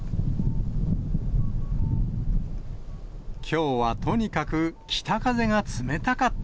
きょうはとにかく、北風が冷たかった。